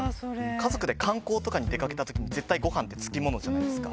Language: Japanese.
家族で観光とかに出かけたときに絶対ごはんって付き物じゃないですか。